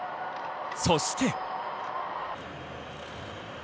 そして。